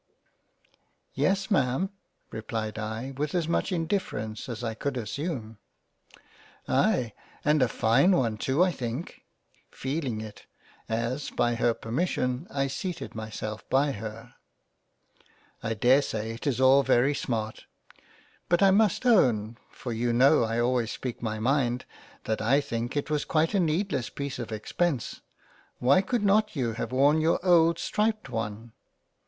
" "Yes Ma'am." replied I with as much indifference as I could assume. " Aye, and a fine one too I think — (feeling it, as by her permission I seated myself by her) I dare say it is all very smart — But I must own, for you know I always speak my mind, that I think it was quite a needless piece of expence — Why could not you have worn your old striped one